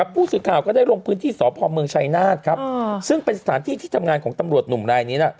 ผู้สื่อข่าวก็ได้ลงพื้นที่สพเมืองชัยนาธครับซึ่งเป็นสถานที่ที่ทำงานของตำรวจหนุ่มรายนี้นะ